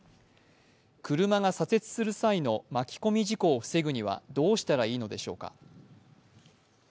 車が左折する際の巻き込み事故を防ぐにはどうしたらいいのでしょうか。